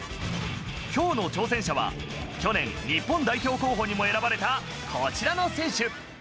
きょうの挑戦者は、去年、日本代表候補にも選ばれたこちらの選手。